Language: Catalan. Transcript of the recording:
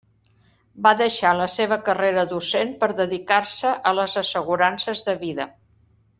Va deixar la seva carrera docent per dedicar-se a les assegurances de vida.